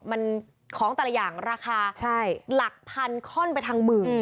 มันของแต่ละอย่างราคาหลักพันค่อนไปทางหมื่น